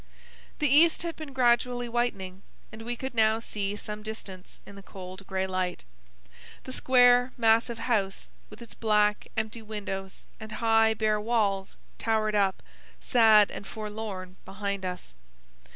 The east had been gradually whitening, and we could now see some distance in the cold grey light. The square, massive house, with its black, empty windows and high, bare walls, towered up, sad and forlorn, behind us.